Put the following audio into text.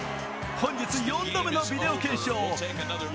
本日４度目のビデオ検証。